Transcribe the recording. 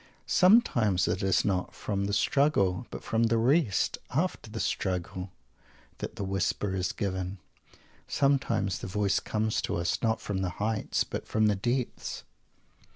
Sometimes it is not from the "struggle," but from the "rest" after the struggle, that the whisper is given. Sometimes the voice comes to us, not from the "heights," but from the depths.